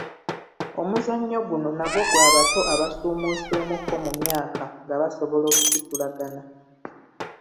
Omuzannyo guno nagwo gwa bato abasuumuuseemukko ku myaka nga basobola okusitulagana.